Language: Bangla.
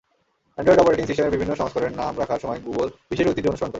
অ্যান্ড্রয়েড অপারেটিং সিস্টেমের বিভিন্ন সংস্করণের নাম রাখার সময় গুগল বিশেষ ঐতিহ্য অনুসরণ করে।